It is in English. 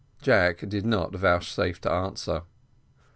Jack did not vouchsafe to answer.